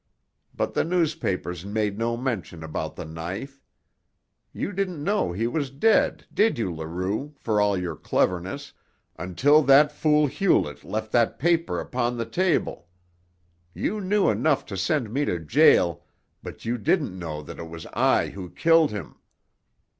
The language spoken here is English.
But the newspapers made no mention about the knife. You didn't know he was dead, did you, Leroux, for all your cleverness, until that fool Hewlett left that paper upon the table? You knew enough to send me to jail, but you didn't know that it was I who killed him.